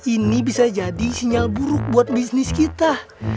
ini bisa jadi sinyal buruk buat bisnis kita